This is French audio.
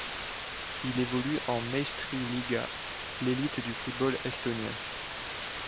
Il évolue en Meistriliiga, l'élite du football estonien.